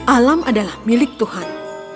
alam adalah milik tuhan